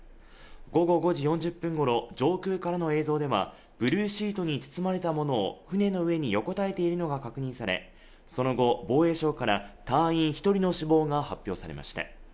午後５時４０分ごろに上空からの映像ではブルーシートに包まれたものを船の上に横たえていたことが確認されその後、防衛省から隊員１人の死亡が発表されました。